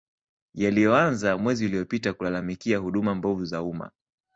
yaliyoanza mwezi uliopita kulalamikia huduma mbovu za umma